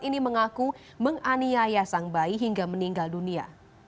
ini mengaku menganiaya sang bayi hingga meninggal dunia